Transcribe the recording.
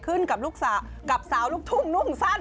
กับสาวลูกทุ่งนุ่งสั้น